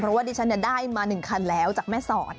เพราะว่าดิฉันได้มา๑คันแล้วจากแม่สอด